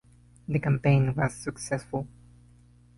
The campaign was successful.